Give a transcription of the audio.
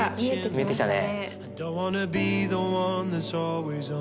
見えてきたね。